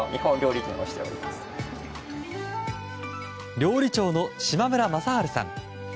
料理長の島村雅晴さん。